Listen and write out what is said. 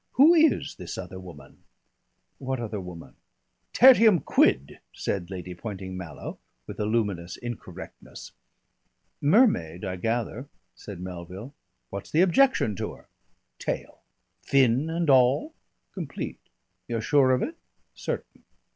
"Who is this other woman?" "What other woman?" "Tertium quid," said Lady Poynting Mallow, with a luminous incorrectness. "Mermaid, I gather," said Melville. "What's the objection to her?" "Tail." "Fin and all?" "Complete." "You're sure of it?" "Certain."